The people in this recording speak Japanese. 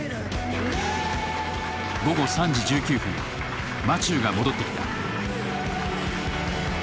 午後３時１９分マチューが戻ってきた。